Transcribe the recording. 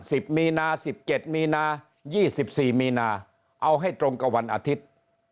สิบมีนาสิบเจ็ดมีนายี่สิบสี่มีนาเอาให้ตรงกับวันอาทิตย์